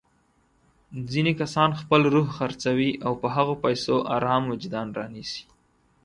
ځيني کسان خپل روح خرڅوي او په هغو پيسو ارام وجدان رانيسي.